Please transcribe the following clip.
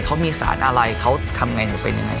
เขามีสารอะไรเขาทำไงหนูเป็นยังไง